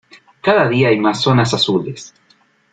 Cada día hay más zonas azules.